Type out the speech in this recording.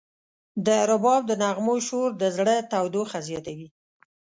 د رباب د نغمو شور د زړه تودوخه زیاتوي.